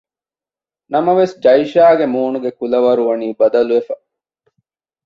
ނަމަވެސް ޖައިޝާގެ މޫނުގެ ކުލަވަރު ވަނީ ބަދަލުވެފަ